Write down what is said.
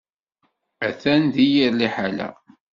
Atan di yir liḥala.